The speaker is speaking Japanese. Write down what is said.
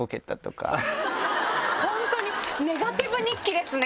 本当にネガティブ日記ですね！